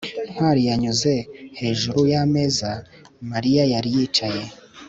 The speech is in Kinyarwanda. ntwali yanyuze hejuru y'ameza mariya yari yicaye